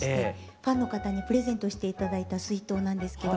ファンの方にプレゼントして頂いた水筒なんですけど。